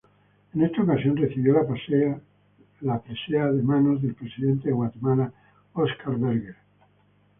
En esa ocasión recibió la presea de manos del Presidente de Guatemala Oscar Berger.